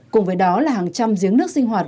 cùng với đó là hàng trăm giếng nước sinh hoạt